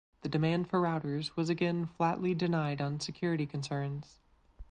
The demand for routers was again flatly denied on security concerns.